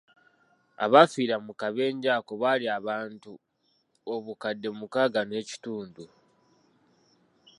Abafiira mu kabenje ako baali abantu obukadde mukaaga n’ekitundu.